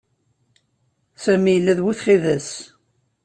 Sami yella d bu txidas.